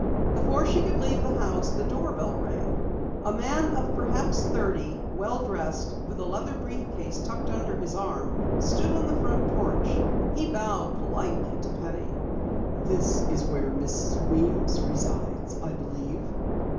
Before she could leave the house, the doorbell rang. A man of perhaps thirty, well dressed, with a leather briefcase tucked under his arm, stood on the front porch. He bowed politely to Penny. "This is where Mrs. Weems resides, I believe?"